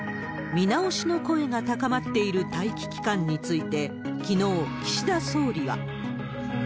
見直しの声が高まっている待機期間について、きのう、岸田総理は。